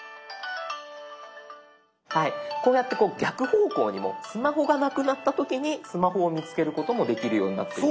こうやって逆方向にもスマホがなくなった時にスマホを見つけることもできるようになっています。